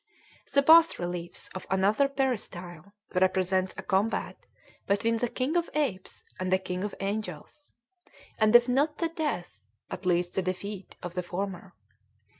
The bass reliefs of another peristyle represent a combat between the king of apes and the king of angels, and if not the death, at least the defeat, of the former.